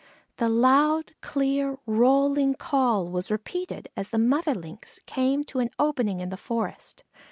The loud, clear, rolling call was repeated as the mother Lynx came to an opening in the forest.